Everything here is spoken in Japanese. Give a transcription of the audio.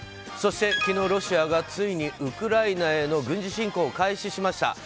そして、昨日ロシアがついにウクライナへの軍事侵攻を開始しました。